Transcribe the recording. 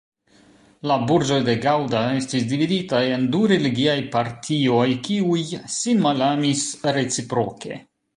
La burĝoj de Gaŭda estis dividitaj en du religiaj partioj, kiuj sin malamis reciproke.